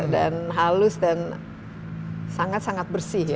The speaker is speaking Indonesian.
dan halus dan sangat sangat bersih ya